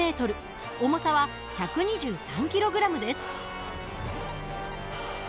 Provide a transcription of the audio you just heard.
重さは１２３ｋｇです。